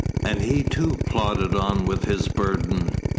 And he too plodded on with his burden.